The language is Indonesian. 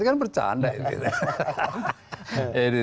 ini kan bercanda ini